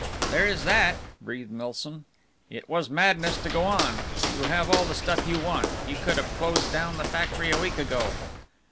"There is that," breathed Milsom, "it was madness to go on. You have all the stuff you want, you could have closed down the factory a week ago."